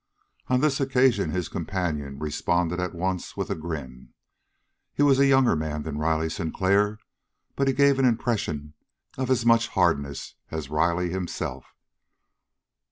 On this occasion his companion responded at once with a grin. He was a younger man than Riley Sinclair, but he gave an impression of as much hardness as Riley himself.